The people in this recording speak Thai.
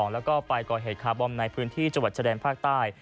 แล้วก็ไปก่อเหตุคาร์บอมในพื้นที่จังหวัดชะแดนภาคใต้